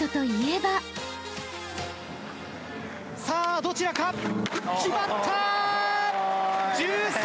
さあどちらか？